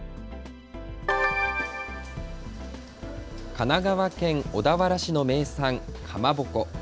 神奈川県小田原市の名産、かまぼこ。